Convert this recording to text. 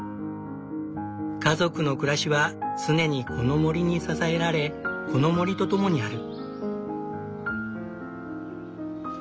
家族の暮らしは常にこの森に支えられこの森とともにある。